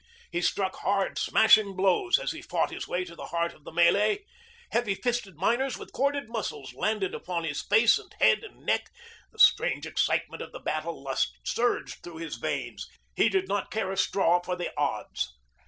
He struck hard, smashing blows as he fought his way to the heart of the mêlée. Heavy fisted miners with corded muscles landed upon his face and head and neck. The strange excitement of the battle lust surged through his veins. He did not care a straw for the odds.